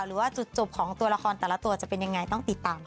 หรือว่าจุดจบของตัวละครแต่ละตัวจะเป็นยังไงต้องติดตามค่ะ